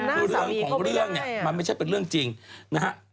คือเรื่องของเรื่องเนี่ยมันไม่ใช่เป็นเรื่องจริงนะฮะ